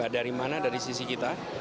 dari mana dari sisi kita